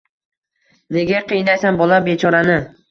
Nega qiynaysan bola bechorani?